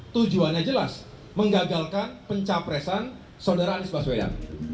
tujuannya jelas menggagalkan pencapresan saudara anies baswedan